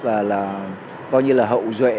và là coi như là hậu duệ